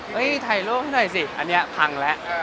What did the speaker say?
ถ่ายรูปให้หน่อยสิอันนี้พังแล้ว